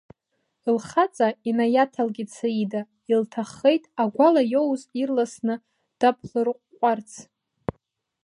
Лхаҵа инаиаҭалкит Саида, илҭаххеит агәала иоуз ирласны даԥлырҟәҟәарц.